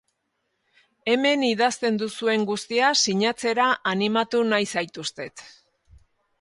Hemen idazten duzuen guztia sinatzera animatu nahi zaituztet.